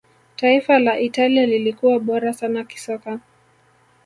taifa la italia lilikuwa bora sana kisoka